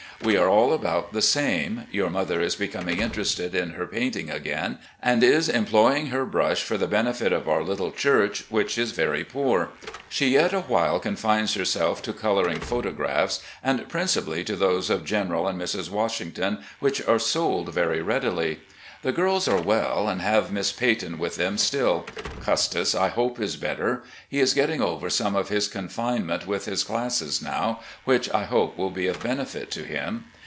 We are all about the same. Your mother is becoming interested in her painting again, and is employing her brush for the benefit of our little church, which is very poor. She yet awhile con fines herself to colouring photographs, and principally to those of General and Mrs. Washington, which are sold 354 RECOLLECTIONS OF GENERAL LEE very readily. The girls are well, and have Miss Peyton with them still. Custis, I hope, is better. He is getting over some of his confinement with his classes now, which I hope will be of benefit to him.